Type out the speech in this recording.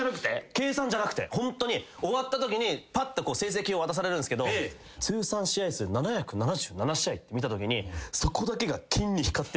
計算じゃなくてホントに終わったときにぱっと成績表渡されるんですけど「通算試合数７７７試合」って見たときに。